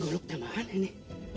golok teman ini